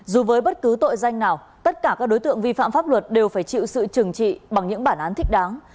dù với bất cứ tội danh nào tất cả các đối tượng vi phạm pháp luật đều phải chịu sự trừng trị bằng những bản án thích đáng